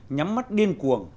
nhắm mắt điên cuồng